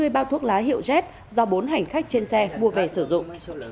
một trăm hai mươi bao thuốc lá hiệu z do bốn hành khách trên xe mua về sử dụng